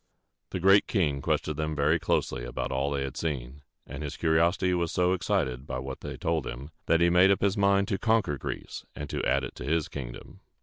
The Great King questioned them very closely about all they had seen; and his curiosity was so excited by what they told him, that he made up his mind to conquer Greece and add it to his kingdom.